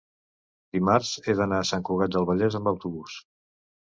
dimarts he d'anar a Sant Cugat del Vallès amb autobús.